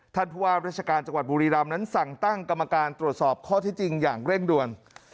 ท่านผู้ว่าราชการจังหวัดบุรีรำนั้นสั่งตั้งกรรมการตรวจสอบข้อที่จริงอย่างเร่งด่วน